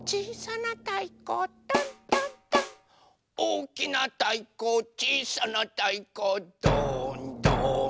「おおきなたいこちいさなたいこドーンドーン」